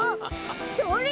それ！